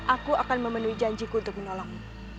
aku akan memenuhi janjiku untuk menolong